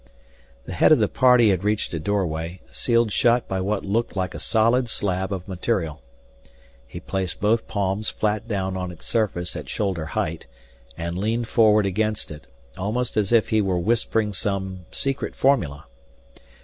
The head of the party had reached a doorway, sealed shut by what looked like a solid slab of material. He placed both palms flat down on its surface at shoulder height and leaned forward against it, almost as if he were whispering some secret formula.